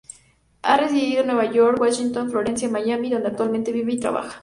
Ha residido en Nueva York, Washington, Florencia y Miami donde actualmente vive y trabaja.